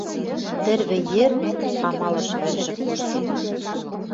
Тӹрвӹ йӹр амалыш вӹржӹ кошкен